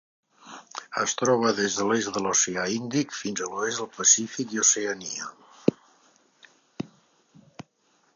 Es troba des de l'est de l'Oceà Índic fins a l'oest del Pacífic i Oceania.